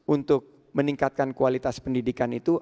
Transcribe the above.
untuk meningkatkan kualitas pendidikan itu